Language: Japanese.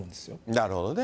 なるほどね。